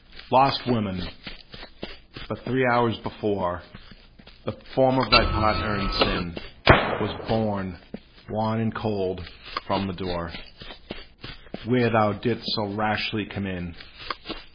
Lost woman! but three hours before, The form of thy partner in sin Was borne, wan and cold, from the door, Where thou didst so rashly come in.